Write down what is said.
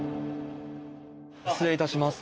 失礼いたします。